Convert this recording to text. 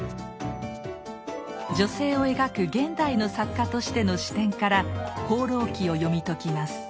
女性を描く現代の作家としての視点から「放浪記」を読み解きます。